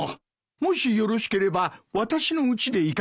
もしよろしければ私のうちでいかがでしょうか。